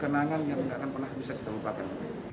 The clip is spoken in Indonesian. kenangan yang tidak akan pernah bisa kita lupakan